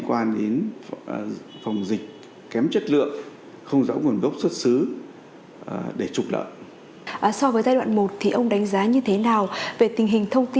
cục an ninh mạng và phòng nhúng tội phạm sự ngại cao đã phối hợp với công an các đơn vị địa phương